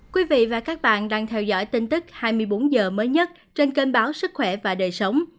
quý vị và các bạn đang theo dõi tin tức hai mươi bốn h mới nhất trên kênh báo sức khỏe và đời sống